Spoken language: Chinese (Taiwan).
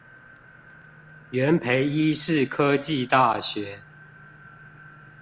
元培醫事科技大學